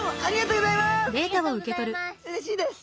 うれしいです。